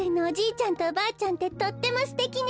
ちゃんとおばあちゃんってとってもすてきね。